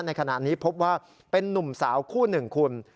ในขณะนี้พบว่าเป็นนุ่มสาวคู่หนึ่งคุณ